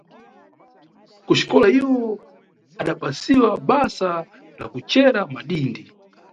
Kuxikola iwo adapasiwa basa la kucera madindi.